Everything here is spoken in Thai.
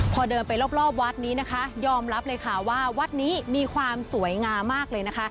พอเดินไปรอบวัดนี้นะคะยอมรับเลยค่ะว่าวัดนี้มีความสวยงามมากเลยนะคะ